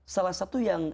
salah satu yang